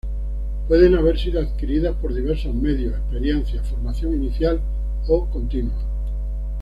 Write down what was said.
Pueden haber sido adquiridas por diversos medios: experiencia, formación inicial o continua.